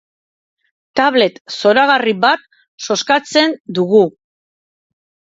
Tablet zoragarri bat zozkatzen dugu.